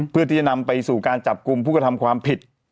เพื่อที่จะนำไปสู่การจับกลุ่มผู้กระทำความผิด